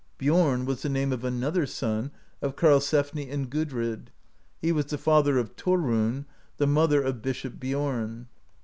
Biorn was the name of [another] son of Karlsef ni and Gudrid ; he was the father of Thorunn, the mother of Bishop Biorn.